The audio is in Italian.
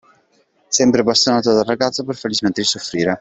Sempre bastonato dal ragazzo per fargli smettere di soffrire